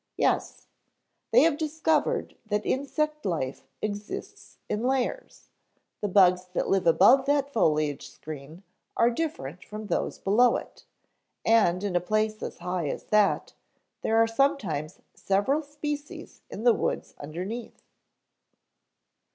"Yes. They have discovered that insect life exists in layers. The bugs that live above that foliage screen are different from those below it, and in a place as high as that, there are sometimes several species in the woods underneath."